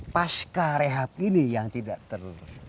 pasca rehab ini yang tidak ter